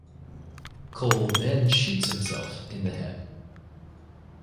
Cole then shoots himself in the head.